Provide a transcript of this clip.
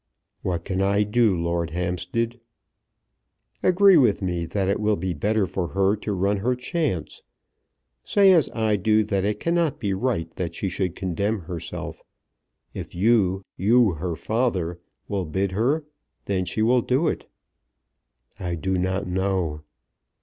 "What can I do, Lord Hampstead?" "Agree with me that it will be better for her to run her chance. Say as I do that it cannot be right that she should condemn herself. If you, you her father, will bid her, then she will do it." "I do not know."